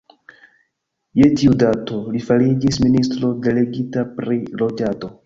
Je tiu dato, li fariĝis ministro delegita pri loĝado.